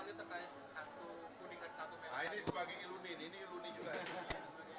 nah ini sebagai iluni ini ini iluni juga ya